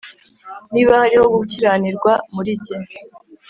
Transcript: Niba hariho gukiranirwa muri jye